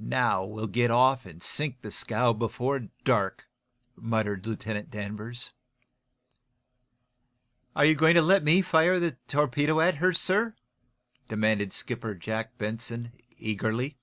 "Now, we'll get off and sink the scow, before dark," muttered Lieutenant Danvers. "Are you going to let me fire the torpedo at her, sir?" demanded Skipper Jack Benson, eagerly.